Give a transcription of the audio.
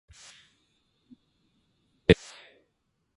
手指消毒スプレー